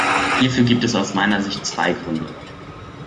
Hierfür gibt es aus meiner Sicht zwei Gründe.